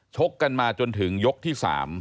ชกกันมาจนถึงยกที่๓